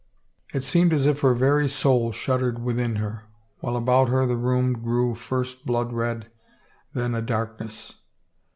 It seemed as if her very soul shuddered within her, « while about her the room grew first blood red and then a darkness.